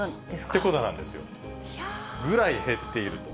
ってことなんですよ、ぐらい減っていると。